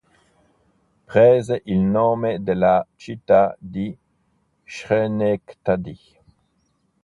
Prese il nome dalla città di Schenectady.